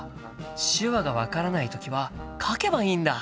手話が分からない時は書けばいいんだ！